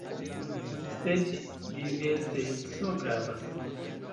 Sed diverseco gravas.